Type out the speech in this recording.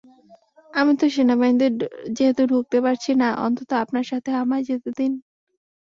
আমি তো সেনাবাহিনীতে যেহেতু ঢুকতে পারছি না, অন্তত আপনার সাথে আমায় যেতে দিন?